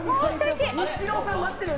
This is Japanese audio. ニッチローさん待ってるよ。